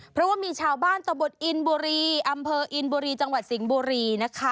เพราะว่ามีชาวบ้านตะบดอินบุรี